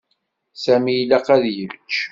Sami ilaq ad yečč.